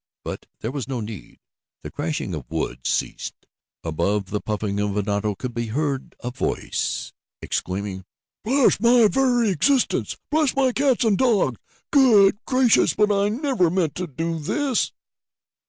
But there was no need. The crashing of wood ceased, and, above the puffing of an auto could be heard a voice exclaiming: "Bless my very existence! Bless my cats and dogs! Good gracious! But I never meant to do this!"